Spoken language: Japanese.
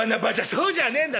「そうじゃねえんだ。